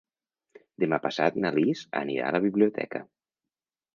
Demà passat na Lis anirà a la biblioteca.